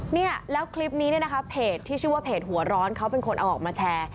เนี่ยแล้วคลิปนี้เนี่ยนะคะเพจที่ชื่อว่าเพจหัวร้อนเขาเป็นคนเอาออกมาแชร์